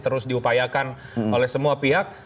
terus diupayakan oleh semua pihak